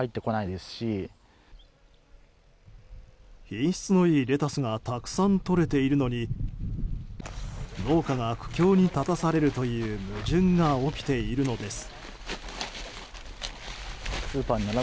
品質のいいレタスがたくさんとれているのに農家が苦境に立たされるという矛盾が起きているのです。